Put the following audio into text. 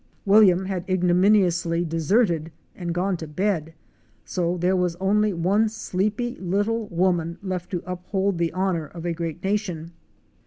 W—— had ignominiously deserted and gone to bed, so there was only one sleepy little woman left to uphold the honor of a great nation!